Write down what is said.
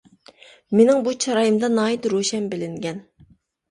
مېنىڭ بۇ چىرايىمدا ناھايىتى روشەن بىلىنگەن.